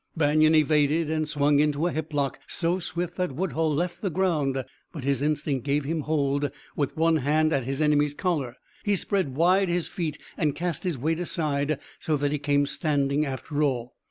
Banion evaded and swung into a hip lock, so swift that Woodhull left the ground. But his instinct gave him hold with one hand at his enemy's collar. He spread wide his feet and cast his weight aside, so that he came standing, after all.